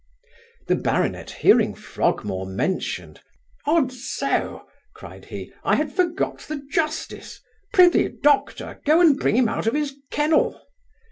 The baronet hearing Frogmore mentioned, 'Odso! (cried he) I had forgot the justice. Pr'ythee, doctor, go and bring him out of his kennel.